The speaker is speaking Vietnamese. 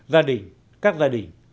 gia đình các gia đình